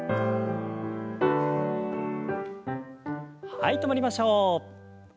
はい止まりましょう。